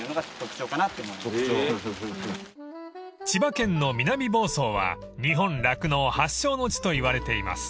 ［千葉県の南房総は日本酪農発祥の地といわれています］